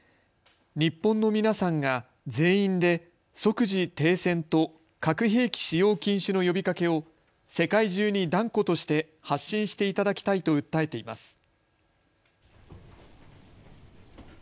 日本の皆さんが全員で即時停戦と核兵器使用禁止の呼びかけを世界中に断固として発信していただきたいと訴えています。